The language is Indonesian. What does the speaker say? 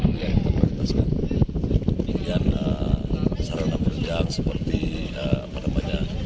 kemudian sarana penunjang seperti apa namanya